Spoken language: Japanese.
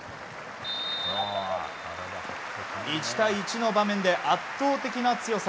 １対１の場面で圧倒的な強さ。